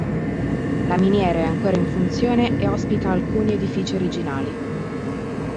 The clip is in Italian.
La miniera è ancora in funzione e ospita alcuni edifici originali.